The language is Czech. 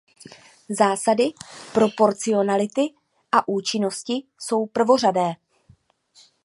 Zásady proporcionality a účinnosti jsou prvořadé.